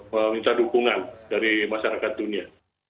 meminta dukungan dari masyarakat dunia